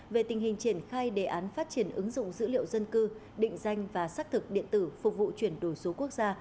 về tình hình triển khai đề án phát triển ứng dụng dữ liệu dân cư định danh và xác thực điện tử phục vụ chuyển đổi số quốc gia